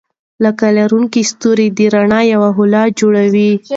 لکۍ لرونکي ستوري د رڼا یوه هاله جوړوي.